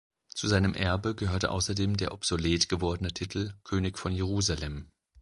Zu seinem Erbe gehörte außerdem der obsolet gewordene Titel König von Jerusalem.